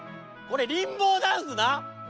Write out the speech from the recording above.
これリンボーダンスな！